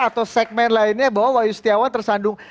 atau segmen lainnya bahwa wai ustiawan tersandung